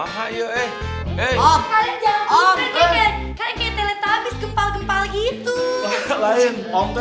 thank you siang